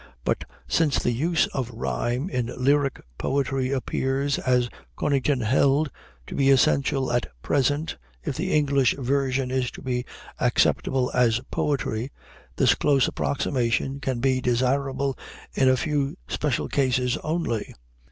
But, since the use of rhyme in lyric poetry appears, as Conington held, to be essential at present if the English version is to be acceptable as poetry, this close approximation can be desirable in a few special cases only.